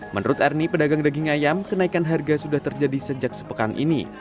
menurut ernie pedagang daging ayam kenaikan harga sudah terjadi sejak sepekan ini